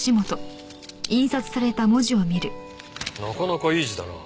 なかなかいい字だな。